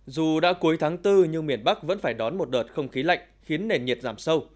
dù đã cuối tháng bốn nhưng miền bắc vẫn phải đón một đợt không khí lạnh khiến nền nhiệt giảm sâu